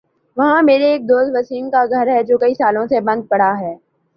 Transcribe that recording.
وہاں میرے ایک دوست وسیم کا گھر ہے جو کئی سالوں سے بند پڑا ہے ۔